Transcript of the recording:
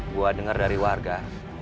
gue denger dari warga